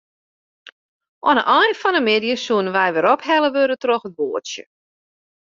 Oan 'e ein fan 'e middei soene wy wer ophelle wurde troch it boatsje.